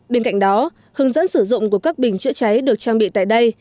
bên cạnh đó hướng dẫn sử dụng của các bình chữa cháy được trang bị tại đây